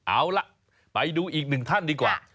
เอาล่ะไปดูอีกหนึ่งท่านดีกว่า